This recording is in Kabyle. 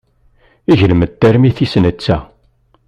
Iglem-d tarmit-is netta.